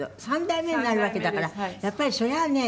３代目になるわけだからやっぱりそりゃあね